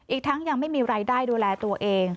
อีกทั้งยังไม่มีรายได้ดูแลตัวเอง